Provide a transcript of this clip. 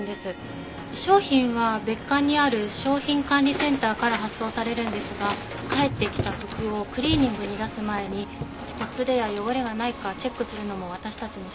商品は別館にある商品管理センターから発送されるんですが返ってきた服をクリーニングに出す前にほつれや汚れがないかチェックするのも私たちの仕事。